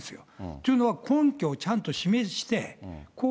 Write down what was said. というのは、根拠をちゃんと示してこう